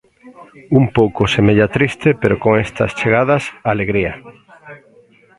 Un pouco semella triste pero con estas chegadas, alegría.